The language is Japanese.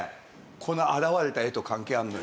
この現れた絵と関係あるのよ。